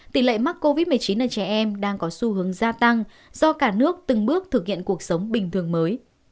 tỷ lệ mắc covid một mươi chín ở trẻ em đang có xu hướng gia tăng do cả nước từng bước thực hiện cuộc sống bình thường mới